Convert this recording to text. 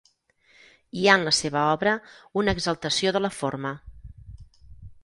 Hi ha en la seva obra una exaltació de la forma.